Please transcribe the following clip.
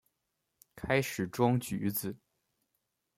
开始装橘子